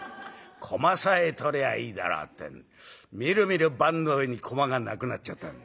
駒さえ取りゃいいだろうってんでみるみる盤の上に駒がなくなっちゃった。